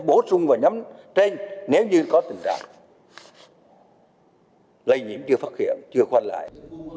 bổ sung vào nhóm trên nếu như có tình trạng lây nhiễm chưa phát hiện chưa khoanh lại